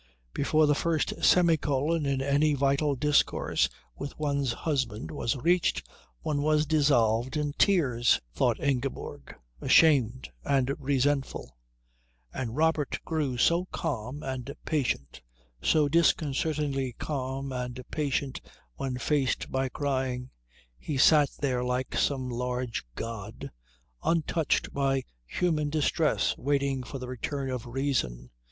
Before the first semicolon in any vital discourse with one's husband was reached one was dissolved in tears, thought Ingeborg, ashamed and resentful; and Robert grew so calm and patient, so disconcertingly calm and patient when faced by crying; he sat there like some large god, untouched by human distress, waiting for the return of reason.